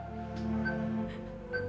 dia sudah berakhir